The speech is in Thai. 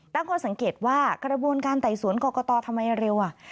ต้องต้องสังเกตว่ากระบวนการไต่สวนกรกตรทำไมยันเร็ว